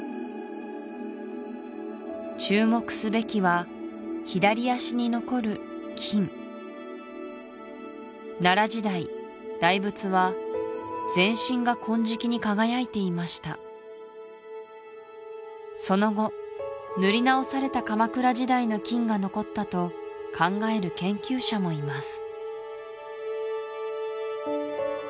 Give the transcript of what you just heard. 注目すべきは左足に残る金奈良時代大仏は全身が金色に輝いていましたその後塗り直された鎌倉時代の金が残ったと考える研究者もいます